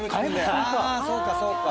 あそうかそうか。